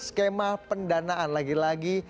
skema pendanaan lagi lagi